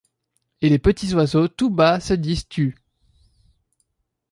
Et les petits oiseaux tout bas se disent tu.